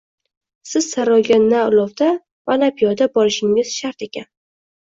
Siz saroyga na ulovda va na piyoda borishingiz shart ekan